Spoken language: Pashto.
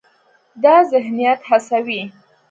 دا ذهنیت هڅوي،